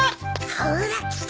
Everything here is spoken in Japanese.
ほら来た。